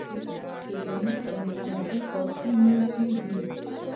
چې زمونږ په نیکمرغي خواشیني کیږي